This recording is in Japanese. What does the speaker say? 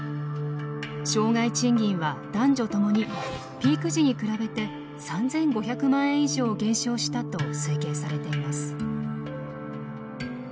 生涯賃金は男女ともにピーク時に比べて３，５００万円以上減少したと推計されています。